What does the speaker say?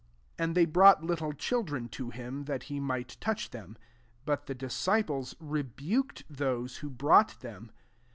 13 And they brought lit tle children to him, tliat he might touch them: but the disciples rebuked those who brought Mem.